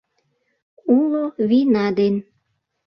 Уло вийна ден